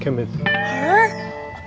pak ustadz kemet